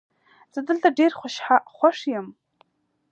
زه دلته ډېر خوښ یم